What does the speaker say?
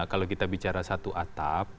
kalau kita bicara satu atap